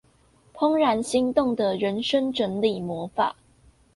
怦然心動的人生整理魔法